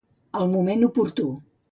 Al moment oportú.